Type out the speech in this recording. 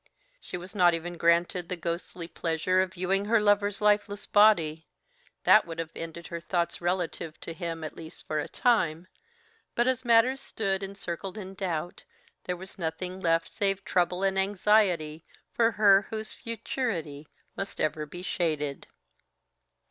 She was not even granted the ghostly pleasure of viewing her lover's lifeless body, that would have ended her thoughts relative to him, at least for a time, but as matters stood encircled in doubt, there was nothing left save trouble and anxiety for her whose futurity must ever be shaded.